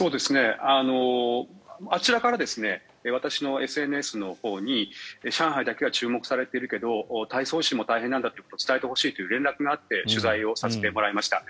あちらから私のＳＮＳのほうに上海だけが注目されているけど太倉市も大変なんだと伝えてほしいと連絡があって取材をさせてもらいました。